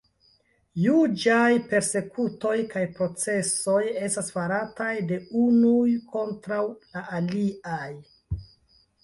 Juĝaj persekutoj kaj procesoj estas farataj de unuj kontraŭ la aliaj.